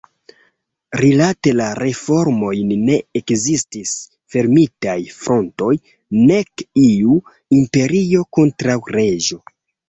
Rilate la reformojn ne ekzistis fermitaj frontoj nek iu „imperio kontraŭ reĝo“.